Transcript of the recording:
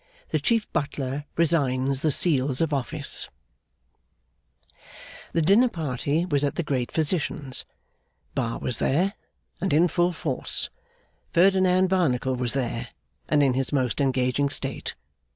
The Chief Butler Resigns the Seals of Office The dinner party was at the great Physician's. Bar was there, and in full force. Ferdinand Barnacle was there, and in his most engaging state.